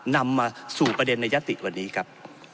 นำมาสู่ประเด็นในยติวันนี้ครับ